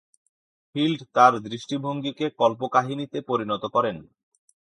Field তার দৃষ্টিভঙ্গিকে কল্পকাহিনীতে পরিণত করেন।